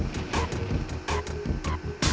mobilnya sekarang juga